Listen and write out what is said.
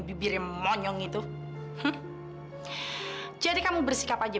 papi tanya r aja